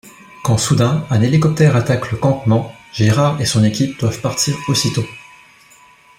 Quand soudain, un hélicoptère attaque le campement, Gérard et son équipe doivent partir aussitôt.